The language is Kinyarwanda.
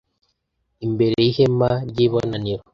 imbere y ihema ry ibonaniro